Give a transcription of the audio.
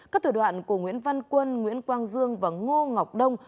các thủ đoạn của nguyễn văn quân nguyễn quang dương và ngô ngọc đông